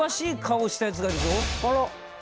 あら。